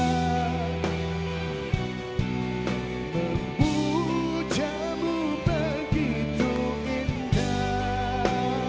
membujamu begitu indah